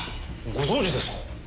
ご存じですか？